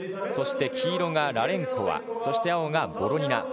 そして黄色がラレンコワそして青がボロニナ。